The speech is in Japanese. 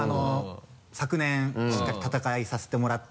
昨年しっかり戦いさせてもらって。